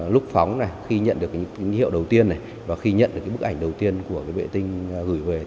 lúc phóng khi nhận được những hiệu đầu tiên và khi nhận được bức ảnh đầu tiên của vệ tinh gửi về